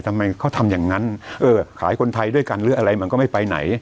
ทำไมเขาทำอย่างนั้นเออขายคนไทยด้วยกันหรืออะไรมันก็ไม่ไปไหน